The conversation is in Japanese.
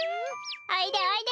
おいでおいで！